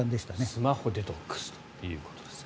スマホデトックスということです。